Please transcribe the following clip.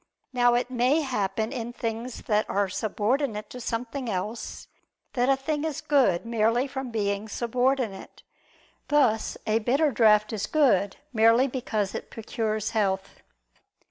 Now it may happen, in things that are subordinate to something else, that a thing is good merely from being subordinate; thus a bitter draught is good merely because it procures health.